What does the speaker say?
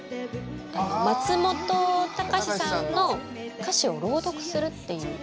松本隆さんの歌詞を朗読するっていう。